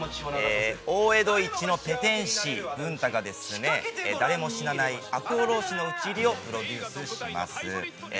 大江戸一のペテン師ブン太が誰も死なない赤穂浪士をプロデュースします。